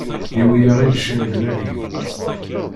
Yewwi-yaɣ-iid cennegnagi!